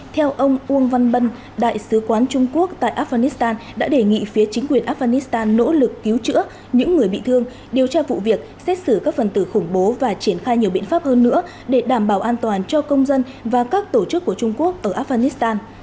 theo ông uông văn bân đại sứ quán trung quốc tại afghanistan đã đề nghị phía chính quyền afghanistan nỗ lực cứu chữa những người bị thương điều tra vụ việc xét xử các phần tử khủng bố và triển khai nhiều biện pháp hơn nữa để đảm bảo an toàn cho công dân và các tổ chức của trung quốc ở afghanistan